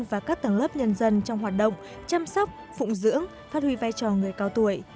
và các tầng lớp nhân dân trong hoạt động chăm sóc phụng dưỡng phát huy vai trò người cao tuổi